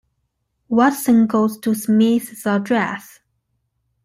Watson goes to Smith's address.